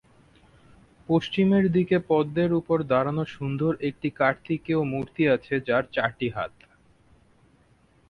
পশ্চিমের দিকে পদ্মের উপর দাঁড়ানো সুন্দর একটি কার্তিকেয় মূর্তি আছে যার চারটি হাত।